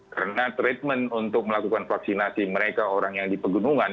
karena treatment untuk melakukan vaksinasi mereka orang yang di pegunungan